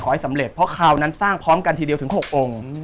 ให้สำเร็จเพราะคราวนั้นสร้างพร้อมกันทีเดียวถึง๖องค์